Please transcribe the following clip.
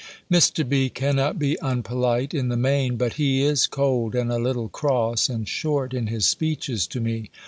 Mr. B. cannot be unpolite, in the main; but he is cold, and a little cross, and short in his speeches to me.